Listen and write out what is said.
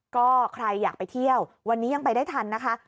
ก็ใครอยากไปเที่ยววันนี้ยังไปได้ทันนะคะ